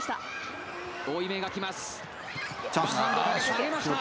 上げました。